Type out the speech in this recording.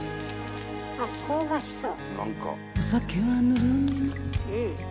あっ香ばしそう。